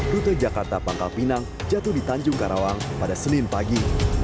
rute jakarta pangkal pinang jatuh di tanjung karawang pada senin pagi